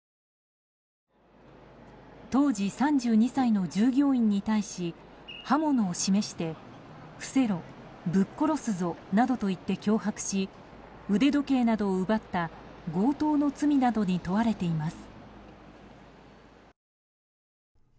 当時３２歳の従業員に対し刃物を示して、伏せろぶっ殺すぞなどと言って脅迫し腕時計などを奪った強盗の罪などに問われています。